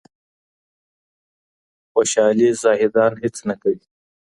خوشالي زاهدان هيڅ نه کوي